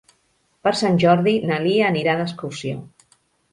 Per Sant Jordi na Lia anirà d'excursió.